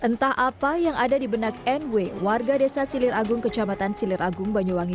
entah apa yang ada di benak nw warga desa siliragung kecamatan siliragung banyuwangi